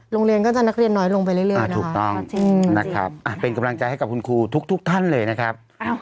โรงเรียนก็จะนักเรียนน้อยลงไปเรื่อยถูกต้องนะครับเป็นกำลังใจให้กับคุณครูทุกท่านเลยนะครับ